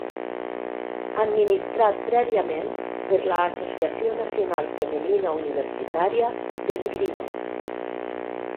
Administrat prèviament per l'Associació Nacional Femenina Universitària d'Esgrima.